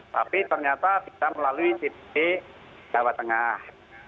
tapi ternyata kita melalui dpp jawa tengah